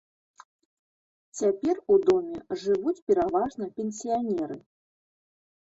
Цяпер у доме жывуць пераважна пенсіянеры.